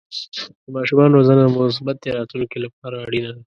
د ماشومانو روزنه د مثبتې راتلونکې لپاره اړینه ده.